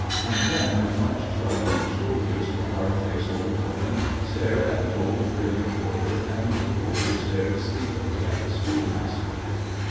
And then, with much shrugging of shoulders, the hard faced old woman stared at the gold braided porter, and the porter stared sleepily at the schoolmaster.